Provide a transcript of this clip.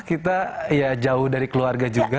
kita ya jauh dari keluarga juga